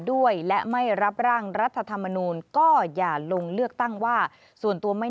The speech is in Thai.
ด้วยและไม่รับร่างรัฐธรรมนูลก็อย่าลงเลือกตั้งว่าส่วนตัวไม่